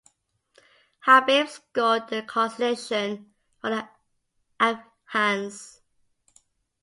Habib scored a consolation for the Afghans.